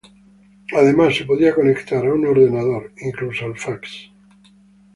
Además se podía conectar a un ordenador, incluso al fax.